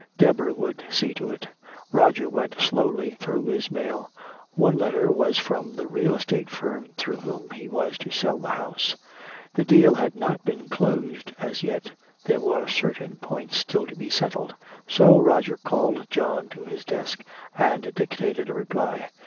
Deborah would see to it.... Roger went slowly through his mail. One letter was from the real estate firm through whom he was to sell the house. The deal had not been closed as yet, there were certain points still to be settled. So Roger called John to his desk and dictated a reply.